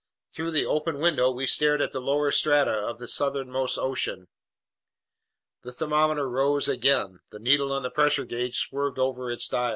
Through the open window we stared at the lower strata of this southernmost ocean. The thermometer rose again. The needle on the pressure gauge swerved over its dial.